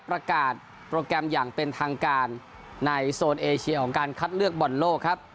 ประกาศโปรแกรมอย่างเป็นทางการในโซนเอเชียของการคัดเลือกบอลโลกครับ